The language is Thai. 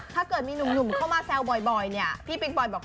ถ้าเกิดมีหนุ่มเข้ามาแซวบ่อยเนี่ยพี่ปิ๊งบอยบอก